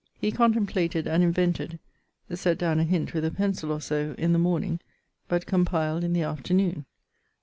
☞ He contemplated and invented (set downe a hint with a pencill or so) in the morning, but compiled in the afternoon.